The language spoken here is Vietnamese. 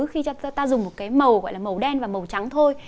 khi ta dùng một cái màu gọi là màu đen và màu trắng thôi